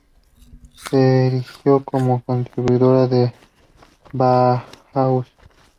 Se erigió como continuadora de la Bauhaus.